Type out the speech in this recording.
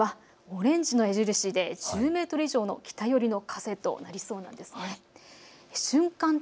東京でもあすはオレンジの矢印で１０メートル以上の北寄りの風となりそうです。